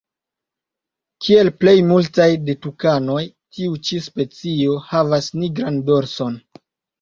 Kiel plej multaj de tukanoj tiu ĉi specio havas nigran dorson.